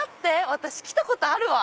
私来たことあるわ。